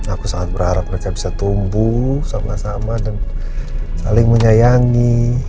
aku sangat berharap mereka bisa tumbuh sama sama dan saling menyayangi